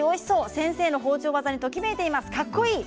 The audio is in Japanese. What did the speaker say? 先生の包丁技にときめいています、かっこいい。